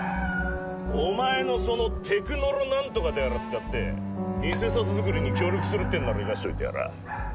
お前のそのてくのろナントカとやら使って偽札造りに協力するってんなら生かしといてやる。